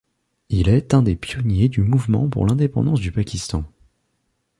Il est un des pionniers du mouvement pour l'indépendance du Pakistan.